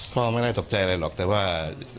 พ่อไม่ได้ตกใจอะไรหรอกแต่ว่า